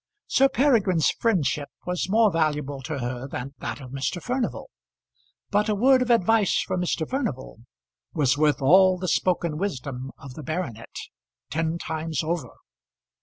Sir Peregrine's friendship was more valuable to her than that of Mr. Furnival, but a word of advice from Mr. Furnival was worth all the spoken wisdom of the baronet, ten times over.